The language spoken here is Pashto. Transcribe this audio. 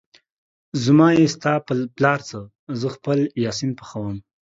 زما يې ستا په پلار څه ، زه خپل يا سين پخوم